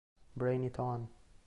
Brain it On!